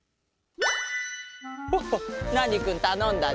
ホホッナーニくんたのんだぞ。